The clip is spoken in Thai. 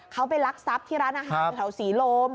เขาไปรักทรัพย์ที่ร้านอาหารแถวศรีลม